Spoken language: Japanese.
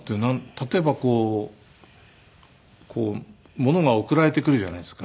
例えばこうものが送られてくるじゃないですか。